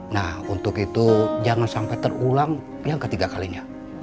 nah untuk itu jangan sampai terulang yang ketiga kalinya